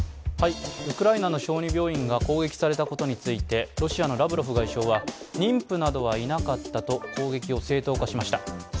ウクライナの小児病院が攻撃されたことについてロシアのラブロフ外相は妊婦などはいなかったと攻撃を正当化しました。